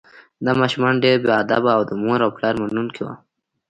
دا ماشومان ډیر باادبه او د مور او پلار منونکي وو